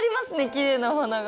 きれいなお花が。